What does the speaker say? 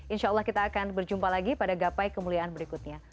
insya allah kita akan berjumpa lagi pada gapai kemuliaan berikutnya